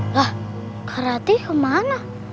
lah kak rati kemana